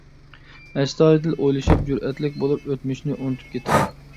ئەستايىدىل ئويلىشىپ، جۈرئەتلىك بولۇپ، ئۆتمۈشنى ئۇنتۇپ كىتىڭ.